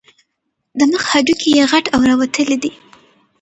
د مخ هډوکي یې غټ او راوتلي دي.